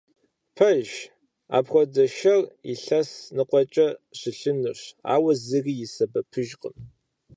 Пэжщ, апхуэдэ шэр илъэс ныкъуэкӀэ щылъынущ, ауэ зыри и сэбэпыжкъым.